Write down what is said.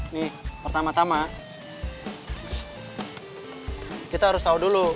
nih pertama tama kita harus tahu dulu